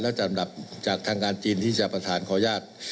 จะทำลำดับจากทางการจีนที่จะเปิดสารขออนุญาต